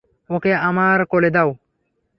ওকে আমার কোলে দাও।